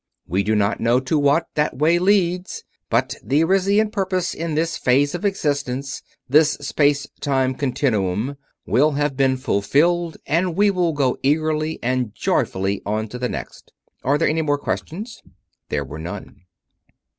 We do not know to what that way leads; but the Arisian purpose in this phase of existence this space time continuum will have been fulfilled and we will go eagerly and joyfully on to the next. Are there any more questions?" There were none.